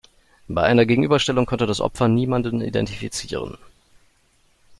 Bei einer Gegenüberstellung konnte das Opfer niemanden identifizieren.